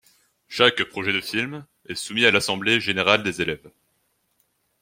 Chaque projet de film est soumis à l'Assemblée Générale des élèves.